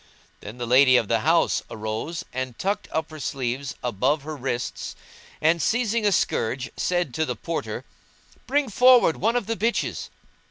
Then the lady of the house arose and tucked up her sleeves above her wrists and, seizing a scourge, said to the Porter, "Bring forward one of the bitches."